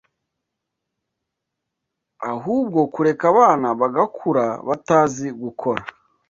ahubwo kureka abana bagakura batazi gukora